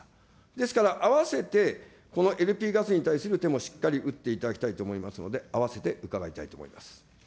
ですから、併せてこのＬＰガスに対する手もしっかり打っていただきたいと思いますので、併せて伺いたいと思います。